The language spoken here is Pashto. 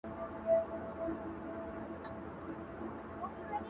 دیدن د بادو پیمانه ده!